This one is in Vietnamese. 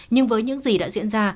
nhưng với những gì đã diễn ra